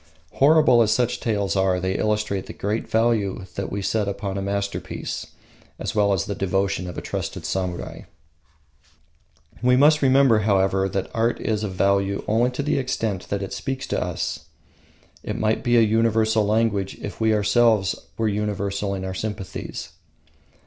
Horrible as such tales are, they illustrate the great value that we set upon a masterpiece, as well as the devotion of a trusted samurai. We must remember, however, that art is of value only to the extent that it speaks to us. It might be a universal language if we ourselves were universal in our sympathies.